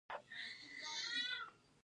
نساجي انجنیری د ټوکرانو لپاره ده.